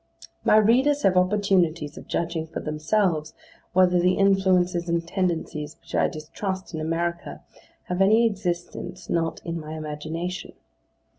My readers have opportunities of judging for themselves whether the influences and tendencies which I distrust in America, have any existence not in my imagination.